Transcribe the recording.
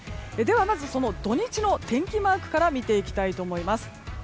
まずは土日の天気マークから見ていきたいと思います。